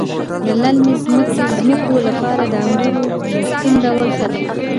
د للمي ځمکو لپاره د انګورو کوم ډول ښه دی؟